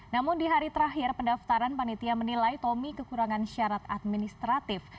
namun di hari terakhir pendaftaran panitia menilai tommy kekurangan syarat administratif